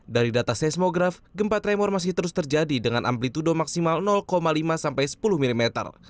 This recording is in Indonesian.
dari data seismograf gempa tremor masih terus terjadi dengan amplitude maksimal lima sampai sepuluh mm